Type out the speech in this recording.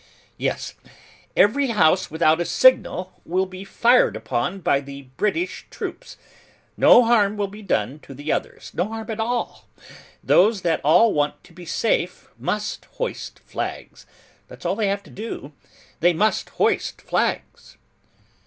'Yes. Every house without a signal will be fired upon by the British troops. No harm will be done to the others. No harm at all. Those that want to be safe, must hoist flags. That's all they'll have to do. They must hoist flags.